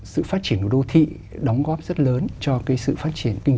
sự phát triển của đô thị đóng góp rất lớn cho cái sự phát triển kinh tế